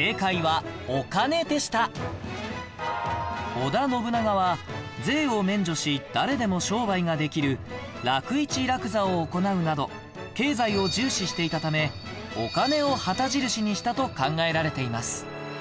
織田信長は税を免除し誰でも商売ができる楽市・楽座を行うなど経済を重視していたためお金を旗印にしたと考えられています